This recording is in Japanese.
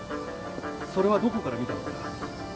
それはどこから見たのかな？